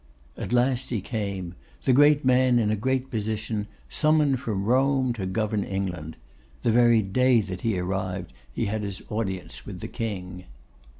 At last he came; the great man in a great position, summoned from Rome to govern England. The very day that he arrived he had his audience with the King.